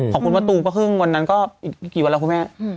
ของคุณมะตูมก็เพิ่งวันนั้นก็อีกไม่กี่วันแล้วคุณแม่